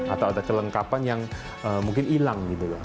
atau ada kelengkapan yang mungkin hilang gitu loh